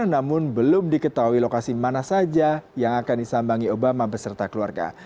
namun belum diketahui lokasi mana saja yang akan disambangi obama beserta keluarga